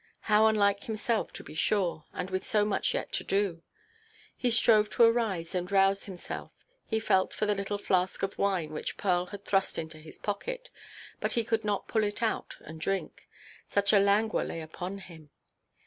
How unlike himself, to be sure; and with so much yet to do! He strove to arise and rouse himself. He felt for the little flask of wine, which Pearl had thrust into his pocket, but he could not pull it out and drink; such a languor lay upon him.